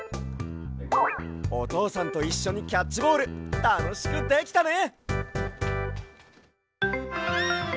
おとうさんといっしょにキャッチボールたのしくできたね！